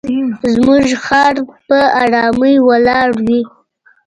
زموږ خر په آرامۍ ولاړ وي.